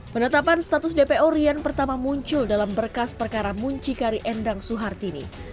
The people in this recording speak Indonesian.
penetapan status dpo rian pertama muncul dalam berkas perkara muncikari endang suhartini